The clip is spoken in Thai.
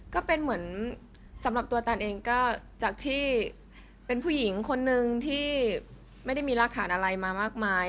ก็เป็นเหมือนสำหรับตัวตันเองก็จากที่เป็นผู้หญิงคนนึงที่ไม่ได้มีรากฐานอะไรมามากมาย